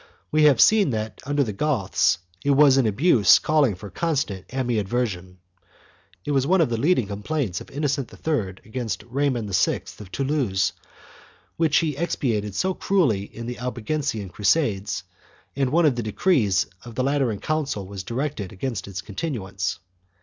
We have seen that under the Goths it was an abuse calling for constant animadversion. It was one of the leading complaints of Innocent III against Raymond VI of Toulouse, which he expiated so cruelly in the Albigensian crusades, and one of the decrees of the Lateran council was directed against its continuance.